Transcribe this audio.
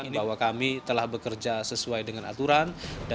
bahwa kami telah bekerja sesuai dengan aturan